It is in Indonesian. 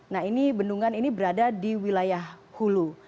nah ini bendungan ini berada di wilayah hulu